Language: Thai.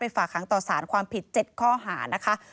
ฝากหางต่อสารความผิด๗ข้อหานะคะ